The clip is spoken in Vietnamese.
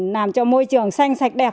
làm cho môi trường xanh sạch đẹp